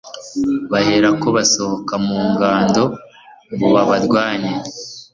bahera ko basohoka mu ngando ngo babarwanye